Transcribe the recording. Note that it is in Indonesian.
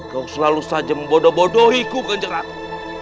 kau selalu saja membodoh bodohiku kanyang ratu